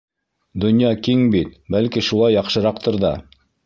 Донъя киң бит, бәлки, шулай яҡшыраҡтыр; ҙа...